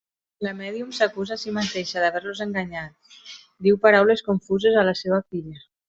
La mèdium s'acusa a si mateixa d'haver-los enganyat, diu paraules confuses a la seva filla.